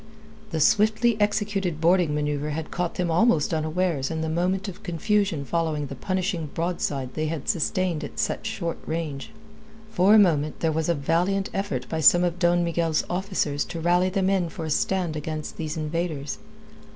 The swiftly executed boarding manoeuvre had caught them almost unawares in the moment of confusion following the punishing broadside they had sustained at such short range. For a moment there was a valiant effort by some of Don Miguel's officers to rally the men for a stand against these invaders.